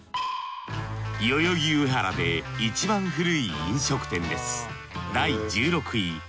代々木上原でいちばん古い飲食店です